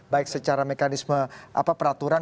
baik secara mekanisme peraturan